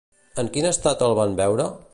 En quin estat el van veure?